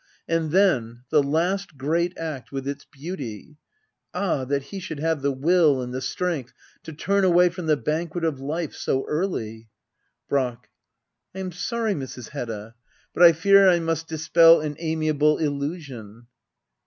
And then — the last great act, with its beauty ! Ah I that he should have the will and the strength to turn away from the banquet of life — so early. Brack. I am sorry, Mrs. Hedda, — but I fear I must dis pel an amiable illusion.